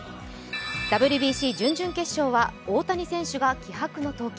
ＷＢＣ準々決勝は大谷選手が気迫の投球。